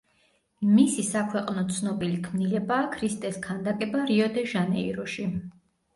მისი საქვეყნოდ ცნობილი ქმნილებაა ქრისტეს ქანდაკება რიო-დე-ჟანეიროში.